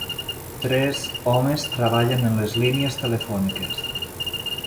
Tres homes treballen en les línies telefòniques.